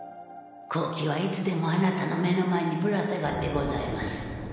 好機はいつでもあなたの目の前にぶら下がってございます